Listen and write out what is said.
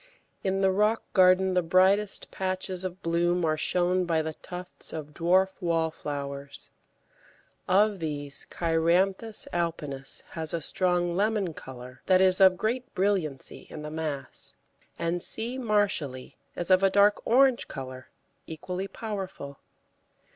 In the rock garden the brightest patches of bloom are shown by the tufts of dwarf Wallflowers; of these, Cheiranthus alpinus has a strong lemon colour that is of great brilliancy in the mass, and C. Marshalli is of a dark orange colour, equally powerful.